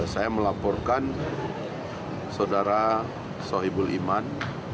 saya melaporkan saudara soebul iman